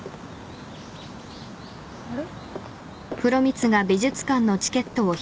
あれ？